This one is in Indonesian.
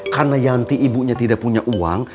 karena yanti ibunya tidak punya uang